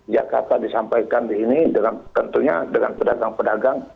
jakarta disampaikan di sini tentunya dengan pedagang pedagang